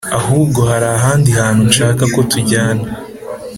ahubwo hari ahandi hantu nshaka ko tujyana